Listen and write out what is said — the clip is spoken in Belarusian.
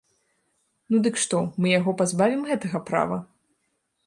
Ну дык што, мы яго пазбавім гэтага права?